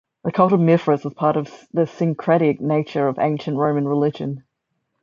The cult of Mithras was part of the syncretic nature of ancient Roman religion.